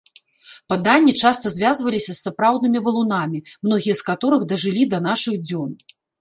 Паданні часта звязваліся з сапраўднымі валунамі, многія з каторых дажылі да нашых дзён.